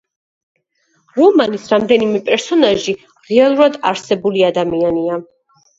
რომანის რამდენიმე პერსონაჟი რეალურად არსებული ადამიანია.